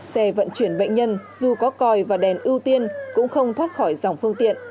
xe vận chuyển bệnh nhân dù có còi và đèn ưu tiên cũng không thoát khỏi dòng phương tiện